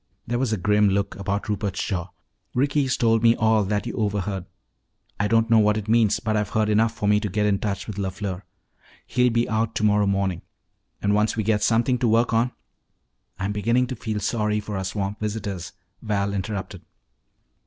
There was a grim look about Rupert's jaw. "Ricky's told me all that you overheard. I don't know what it means but I've heard enough for me to get in touch with LeFleur. He'll be out tomorrow morning. And once we get something to work on " "I'm beginning to feel sorry for our swamp visitors," Val interrupted.